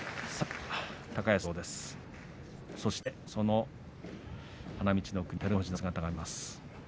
そしてその花道の奥には照ノ富士の姿が見えます。